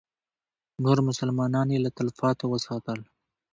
نور مسلمانان یې له تلفاتو وساتل.